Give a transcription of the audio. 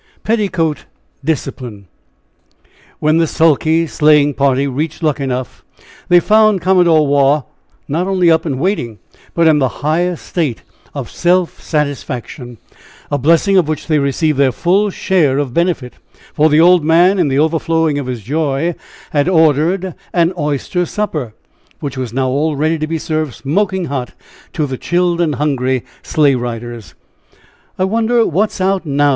PETTICOAT DISCIPLINE. When the sulky sleighing party reached Luckenough they found Commodore Waugh not only up and waiting, but in the highest state of self satisfaction, a blessing of which they received their full share of benefit, for the old man, in the overflowing of his joy, had ordered an oyster supper, which was now all ready to be served smoking hot to the chilled and hungry sleigh riders. "I wonder what's out now?"